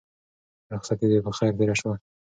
رخصتي دې په خير تېره شه.